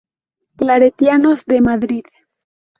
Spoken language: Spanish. Claretianos de Madrid.